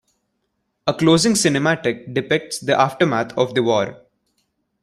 A closing cinematic depicts the aftermath of the war.